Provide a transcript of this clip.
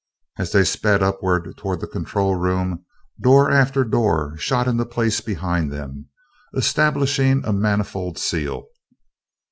As they sped upward toward the control room, door after door shot into place behind them, establishing a manifold seal.